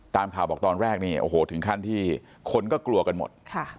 ตามข่าวบอกตอนแรกนี่โอ้โหถึงขั้นที่คนก็กลัวกันหมด